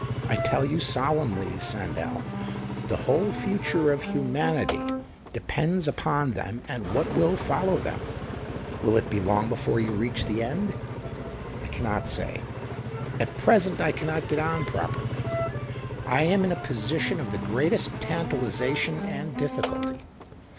I tell you solemnly, Sandell, that the whole future of humanity depends upon them and what will follow them." *' Will it be long before you reach the end?" 106 THE OCTAVE OF CLAUDIUS. " I cannot say. At present I cannot get on properly. I am in a position of the greatest tantalization and difficulty.